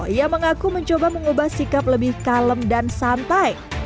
ia mengaku mencoba mengubah sikap lebih kalem dan santai